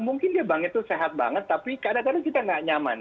mungkin dia bank itu sehat banget tapi kadang kadang kita nggak nyaman